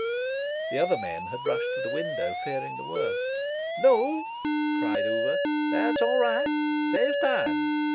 The other men had rushed to the window, fearing the worst. "No," cried Oover. "That's all right. Saves time!"